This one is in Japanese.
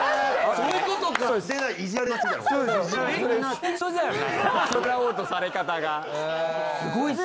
そういうことです。